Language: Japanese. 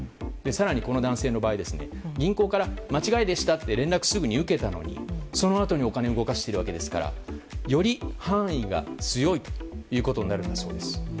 更に、この男性の場合は銀行から間違いでしたと連絡をすぐに受けたのにそのあとにお金を動かしているわけですからより犯意が強いということになるわけです。